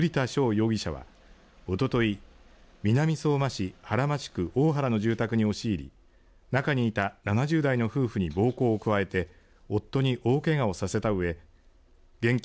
容疑者はおととい、南相馬市原町区大原の住宅に押し入り中にいた７０代の夫婦に暴行を加えて夫に大けがをさせたうえ現金